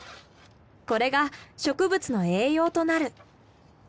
これが植物の栄養となる。